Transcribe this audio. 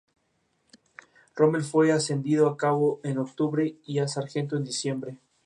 Administrativamente, el río discurre por los estados de Wyoming, Idaho y Utah.